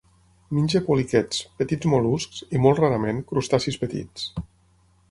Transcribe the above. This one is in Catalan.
Menja poliquets, petits mol·luscs i, molt rarament, crustacis petits.